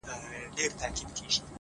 هره پوښتنه نوی درک زېږوي,